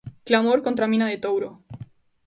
'Clamor contra a mina de Touro'.